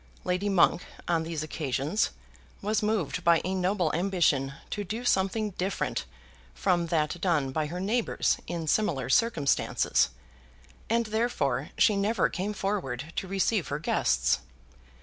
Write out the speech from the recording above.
Lady Monk, on these occasions, was moved by a noble ambition to do something different from that done by her neighbours in similar circumstances, and therefore she never came forward to receive her guests.